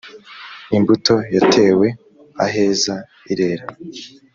imbuto yatewe aheza irera.